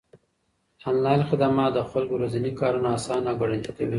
انلاين خدمات د خلکو ورځني کارونه آسانه او ګړندي کوي.